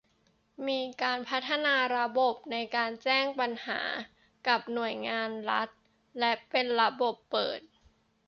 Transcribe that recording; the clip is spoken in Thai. มีการพัฒนาระบบในการแจ้งปัญหากับหน่วยงานรัฐและเป็นระบบเปิด